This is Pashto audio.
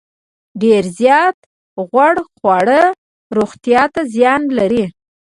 ډیر زیات غوړ خواړه روغتیا ته زیان لري.